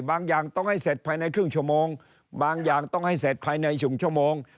บางอย่างต้องให้เสร็จภายในครึ่งชั่วโมงบางอย่างต้องให้เสร็จภายใน๑ชั่วโมง